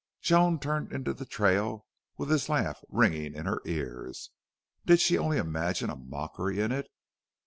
Joan turned into the trail with his laugh ringing in her ears. Did she only imagine a mockery in it?